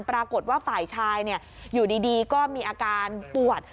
ปรากฏว่าฝ่ายชายอยู่ดีก็มีอาการปวด